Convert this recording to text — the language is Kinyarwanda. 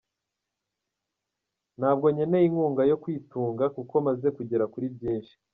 Ntabwo nkeneye inkunga yo kwitunga kuko maze kugera kuri byinshi.